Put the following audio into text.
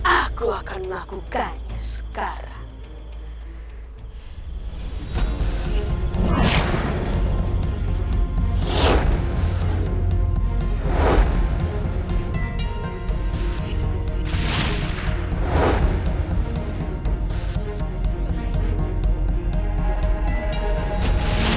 aku akan melakukannya sekali